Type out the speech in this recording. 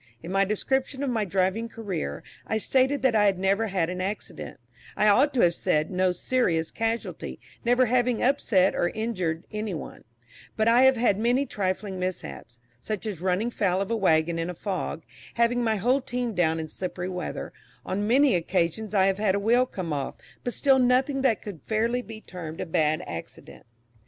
In my description of my driving career, I stated that I had never had an accident; I ought to have said, no serious casualty, never having upset or injured any one; but I have had many trifling mishaps, such as running foul of a waggon in a fog, having my whole team down in slippery weather; on many occasions I have had a wheel come off, but still nothing that could fairly be termed a bad accident.